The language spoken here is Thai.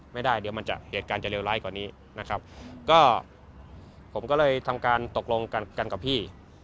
ไม่ได้เดี๋ยวมันจะเหตุการณ์จะเลวร้ายกว่านี้นะครับก็ผมก็เลยทำการตกลงกันกันกับพี่